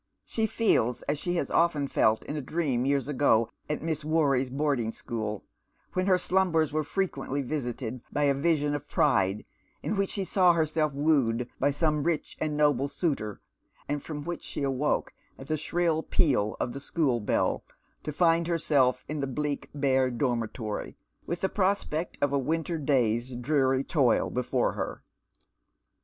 She feels as she has often felt in a dream years ago at Miss Worrie's boarding school, when her slumbers were frequently visited by a vision of piide in which she saw herself wooed by some rich and noble suitor, and from which she awoke at the shrill peal of the schooi bell, to find herself in the bleak bare dormitory, with the prospect of a winter day's dreary toil before her.